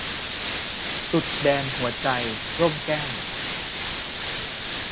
สุดแดนหัวใจ - ร่มแก้ว